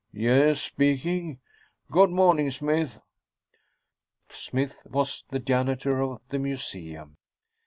Yes, speaking. Good morning, Smythe." Smythe was the janitor of the museum.